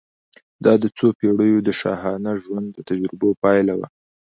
دا د څو پېړیو د شاهانه ژوند د تجربو پایله وه.